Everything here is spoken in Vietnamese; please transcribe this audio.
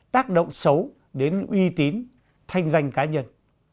tác động xấu đến uy tín thanh danh cá nhân